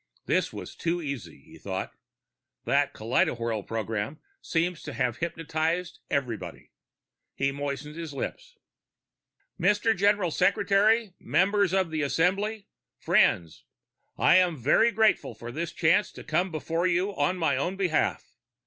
This is too easy, he thought. That kaleidowhirl program seems to have hypnotized everybody. He moistened his lips. "Mr. Secretary General, members of the Assembly, friends: I'm very grateful for this chance to come before you on my own behalf.